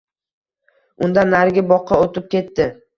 Undan narigi boqqa o‘tib ketdi